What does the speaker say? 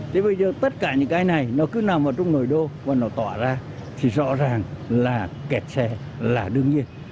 thế bây giờ tất cả những cái này nó cứ nằm ở trong nổi đô và nó tỏa ra thì rõ ràng là kẹt xe là đương nhiên